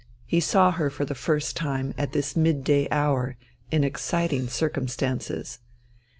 He saw her for the first time at this midday hour in exciting circumstances.